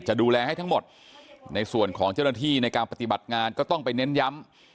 ดูแลให้ทั้งหมดในส่วนของเจ้าหน้าที่ในการปฏิบัติงานก็ต้องไปเน้นย้ำ